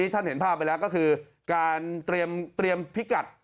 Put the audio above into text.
ท่านเห็นภาพไปแล้วก็คือการเตรียมพิกัด